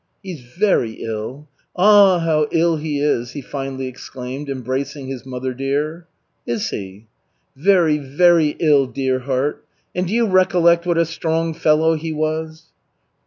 "He's very ill. Ah, how ill he is!" he finally exclaimed, embracing his mother dear. "Is he?" "Very, very ill, dear heart. And do you recollect what a strong fellow he was?"